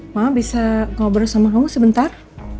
mama bisa ngobrol sama kamu sebentar